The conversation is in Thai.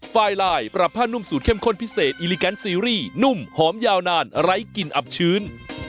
ไฟลายปรับผ้านุ่มสูตรเข้มข้นพิเศษอิลิแกนซีรีส์นุ่มหอมยาวนานไร้กลิ่นอับชื้น